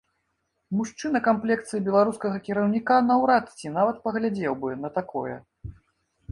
Мужчына камплекцыі беларускага кіраўніка наўрад ці нават паглядзеў бы на такое.